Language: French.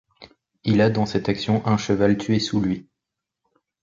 Il a dans cette action un cheval tué sous lui.